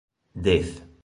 Dez.